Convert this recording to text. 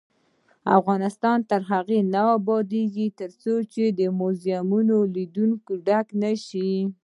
افغانستان تر هغو نه ابادیږي، ترڅو موزیمونه د لیدونکو ډک نشي.